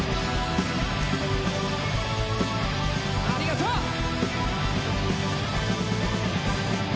ありがとう！